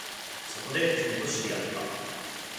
そこで、君と知り合った